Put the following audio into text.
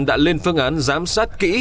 đã lên phương án giám sát kỹ